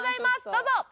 どうぞ！